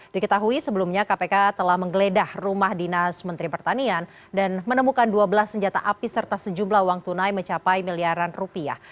diketahui sebelumnya kpk telah menggeledah rumah dinas menteri pertanian dan menemukan dua belas senjata api serta sejumlah uang tunai mencapai miliaran rupiah